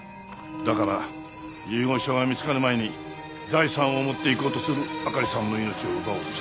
だから遺言書が見つかる前に財産を持っていこうとするあかりさんの命を奪おうとした。